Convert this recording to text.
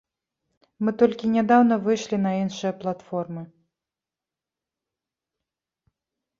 Мы толькі нядаўна выйшлі на іншыя платформы.